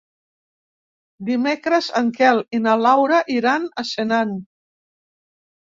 Dimecres en Quel i na Laura iran a Senan.